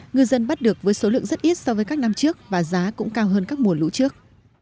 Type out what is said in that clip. ngư dân bắt được với số lượng rất ít so với các năm trước và giá cũng cao hơn các mùa lũ trước